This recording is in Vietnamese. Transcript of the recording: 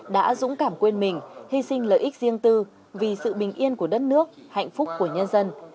đã dũng cảm quên mình hy sinh lợi ích riêng tư vì sự bình yên của đất nước hạnh phúc của nhân dân